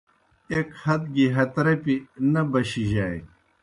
ایْک ہت گیْ ہترپیْ نہ بَشِجانیْ